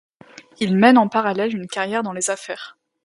Il mène en parallèle une carrière dans les affaires.